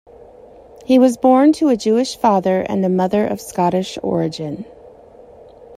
He was born to a Jewish father and a mother of Scottish origin.